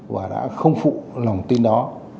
và đã không phụ lòng tin đó